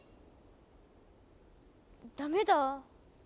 ダメだ。